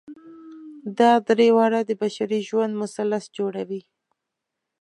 دا درې واړه د بشري ژوند مثلث جوړوي.